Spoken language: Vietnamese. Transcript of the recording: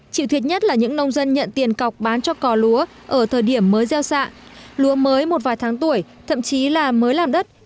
vì d warehouse những nông dân nhận tiền cọc bán cho cỏ lúa ở thời điểm mới gieo sạng holocaust